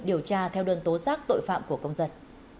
điều tra theo đơn tố giác tội phạm của công dân